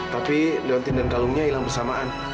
tapi dauntin dan kalungnya hilang bersamaan